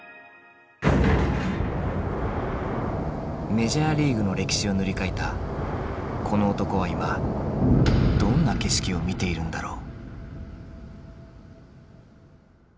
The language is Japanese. メジャーリーグの歴史を塗り替えたこの男は今どんな景色を見ているんだろう。